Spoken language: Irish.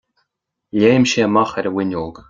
Léim sé amach ar an bhfuinneog.